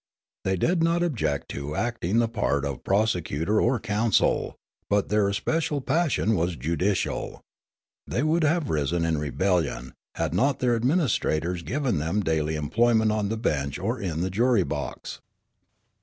They did not object to acting the part of prosecutor or counsel ; but their especial passion was judicial ; they would have risen in rebel lion, had not their administrators given them daily employment on the bench or in the jury box.